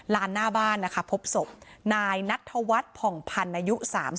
หน้าบ้านนะคะพบศพนายนัทธวัฒน์ผ่องพันธ์อายุ๓๐